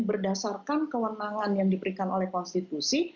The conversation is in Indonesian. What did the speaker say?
berdasarkan kewenangan yang diberikan oleh konstitusi